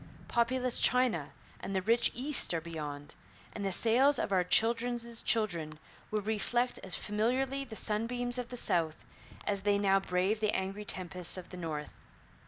Populous China and the rich East are beyond; and the sails of our children's children will reflect as familiarly the sunbeams of the South as they now brave the angry tempests of the North.